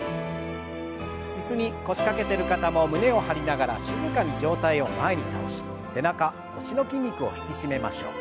椅子に腰掛けてる方も胸を張りながら静かに上体を前に倒し背中腰の筋肉を引き締めましょう。